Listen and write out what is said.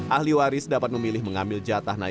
ahli waris dapat memilih mengambil jatah